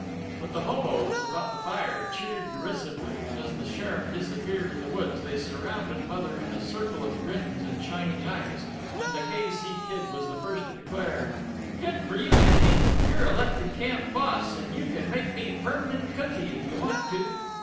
But the hoboes about the fire cheered derisively, and as the sheriff disappeared in the woods they surrounded Mother in a circle of grins and shining eyes, and the K. C. Kid was the first to declare: "Good for you, aunty. You're elected camp boss, and you can make me perm'nent cookee, if you want to."